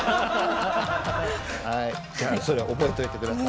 じゃあそれ覚えといて下さい。